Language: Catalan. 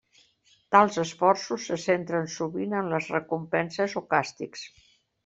Tals esforços se centren sovint en les recompenses o càstigs.